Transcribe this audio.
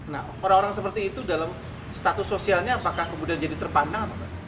nah orang orang seperti itu dalam status sosialnya apakah kemudian jadi terpandang